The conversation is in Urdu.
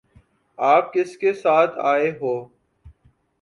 آپ کس کے ساتھ آئے ہو؟